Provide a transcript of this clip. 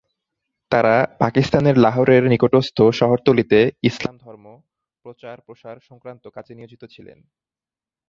তারা পাকিস্তানের লাহোরের নিকটস্থ শহরতলীতে ইসলাম ধর্ম প্রচার প্রসার সংক্রান্ত কাজে নিয়োজিত ছিলেন।